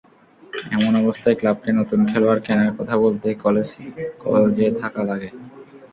এমন অবস্থায় ক্লাবকে নতুন খেলোয়াড় কেনার কথা বলতে কলজে থাকা লাগে।